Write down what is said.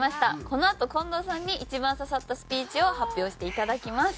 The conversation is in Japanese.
このあと近藤さんに一番刺さったスピーチを発表していただきます。